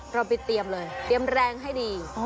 เราไปเตรียมเลยเตรียมแรงให้ดี